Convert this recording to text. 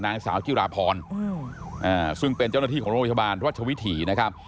นางสาวจิลาพรซึ่งเป็นเจ้าหน้าที่โรปพยาบาลวัตถ์วิถี